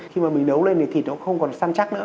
khi mà mình nấu lên thì thịt nó không còn săn chắc nữa